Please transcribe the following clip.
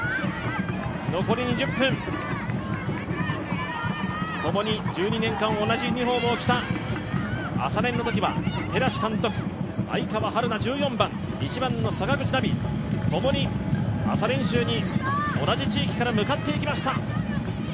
残り２０分、ともに１２年間同じユニフォームを着た朝練のときには寺師監督愛川陽菜１番の坂口波、ともに朝練習に同じ地域から向かっていきました。